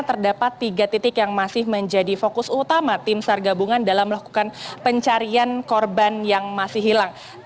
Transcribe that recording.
terdapat tiga titik yang masih menjadi fokus utama tim sar gabungan dalam melakukan pencarian korban yang masih hilang